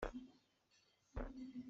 Kutka aa ong nain hohmanh an rak lut lo.